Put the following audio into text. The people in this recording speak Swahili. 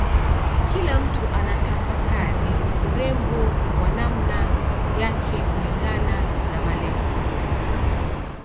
Kila mtu anatafakari urembo kwa namna yake kulingana na malezi